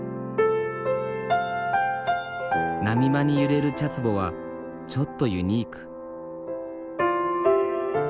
波間に揺れる茶つぼはちょっとユニーク。